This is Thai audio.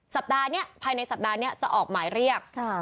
สัปดาห์นี้ภายในสัปดาห์นี้จะออกหมายเรียก